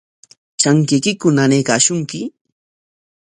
¿Trankaykiku nanaykashunki?